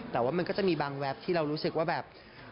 แต่ก็จะมีบางวรรษที่เรารู้สึกว่าแบบ